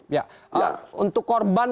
ya untuk korban